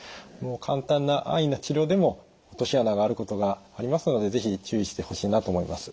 簡単な安易な治療でも落とし穴があることがありますので是非注意してほしいなと思います。